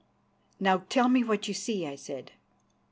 "Now tell me what you see," I said.